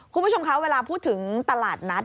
คุณผู้ชมคะเวลาพูดถึงตลาดนัด